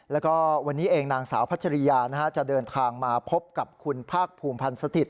แล้วก็วันนี้เองนางสาวพัชริยาจะเดินทางมาพบกับคุณภาคภูมิพันธ์สถิต